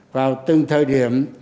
vào từng thời điểm